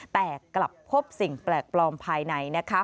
แต่กลับพบสิ่งแปลกปลอมภายในนะคะ